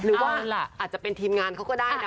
หรือว่าอาจจะเป็นทีมงานเขาก็ได้นะ